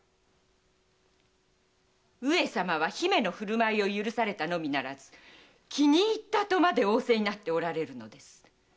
上様は姫の振る舞いを許されたのみならず「気に入った」とまで仰せになっておられるのです。